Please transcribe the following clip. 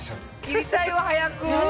切りたいわ早く。